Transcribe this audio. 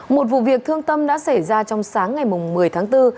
một vụ việc thương tâm đã xảy ra trong sáng ngày một mươi tháng bốn